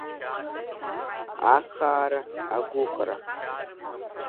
Ахаара, агәыкра!